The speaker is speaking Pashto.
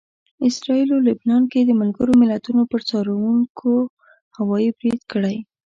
اسراییلو لبنان کې د ملګرو ملتونو پر څارونکو هوايي برید کړی